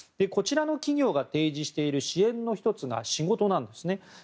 こちらの企業が提示している支援の１つが仕事なんです。